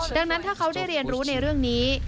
ดังนั้นถ้าเขาได้เรียนรู้ในเรื่องนี้